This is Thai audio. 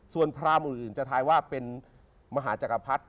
ส่วนพรามอื่นจะทายว่าเป็นมหาจักรพรรดิ